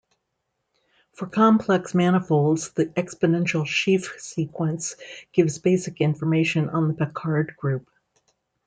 For complex manifolds the exponential sheaf sequence gives basic information on the Picard group.